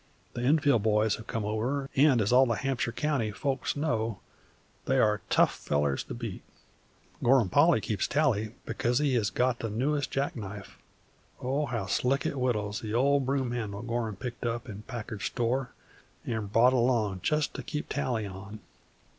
The Enfield boys have come over, and, as all the Hampshire county folks know, they are tough fellers to beat. Gorham Polly keeps tally, because he has got the newest jack knife, oh, how slick it whittles the old broom handle Gorham picked up in Packard's store an' brought along jest to keep tally on!